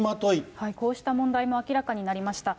こうした問題も明らかになりました。